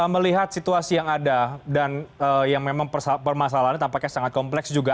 melihat situasi yang ada dan yang memang permasalahannya tampaknya sangat kompleks juga